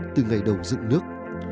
từ ngày đầu dựng nước